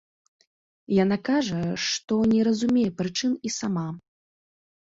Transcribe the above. Яна кажа, што не разумее прычын і сама.